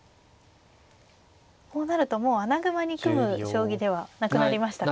こうなるともう穴熊に組む将棋ではなくなりましたか。